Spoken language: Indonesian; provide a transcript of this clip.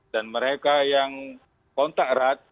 dan mereka yang kontak erat